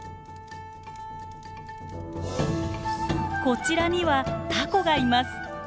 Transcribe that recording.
こちらにはタコがいます。